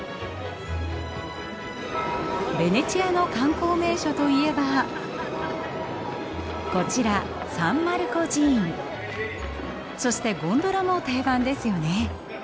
ベネチアの観光名所といえばこちらそしてゴンドラも定番ですよね。